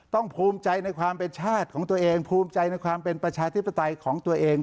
ภูมิใจในความเป็นชาติของตัวเองภูมิใจในความเป็นประชาธิปไตยของตัวเอง